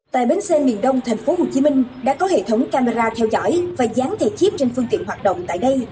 tại bến xe miền đông tp hcm đã có hệ thống camera theo dõi và dán thẻ chip trên phương tiện hoạt động tại đây